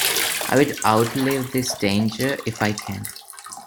I will outlive this danger, if I can.